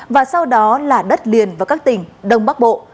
và sau đó là đất liền và các tỉnh đông bắc bộ